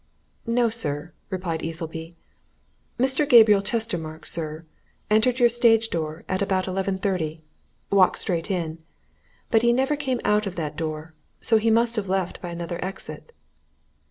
"No, sir," replied Easleby. "Mr. Gabriel Chestermarke, sir, entered your stage door at about eleven thirty walked straight in. But he never came out of that door so he must have left by another exit."